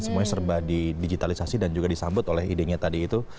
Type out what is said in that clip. semuanya serba di digitalisasi dan juga disambut oleh idenya tadi itu